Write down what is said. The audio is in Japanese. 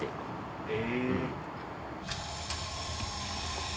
・へえ。